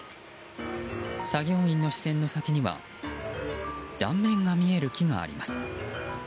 作業員の視線の先には断面が見える木があります。